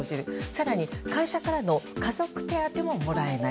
更に会社からの家族手当ももらえない。